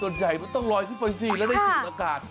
ใหญ่มันต้องลอยขึ้นไปสิแล้วได้สูบอากาศ